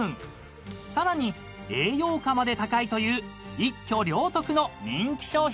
［さらに栄養価まで高いという一挙両得の人気商品］